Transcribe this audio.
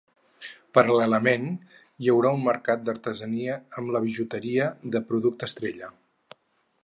Paral·lelament, hi haurà un mercat d’artesania amb la bijuteria de producte estrella.